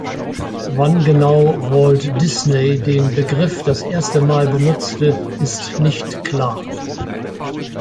Wann genau Walt Disney den Begriff das erste Mal benutzte, ist nicht klar.